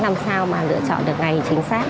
làm sao mà lựa chọn được ngày chính xác